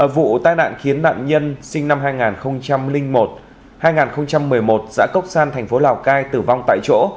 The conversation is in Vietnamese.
vụ tai nạn khiến nạn nhân sinh năm hai nghìn một hai nghìn một mươi một xã cốc san thành phố lào cai tử vong tại chỗ